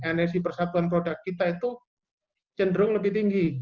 energi persatuan produk kita itu sedikit